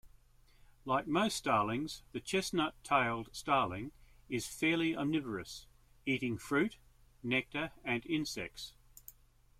Like most starlings, the chestnut-tailed starling is fairly omnivorous, eating fruit, nectar and insects.